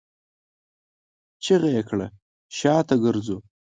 چيغه يې کړه! شاته ګرځو!